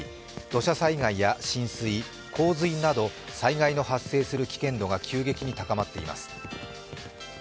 土砂災害や浸水、洪水など災害の発生する危険度が急激に高まっています。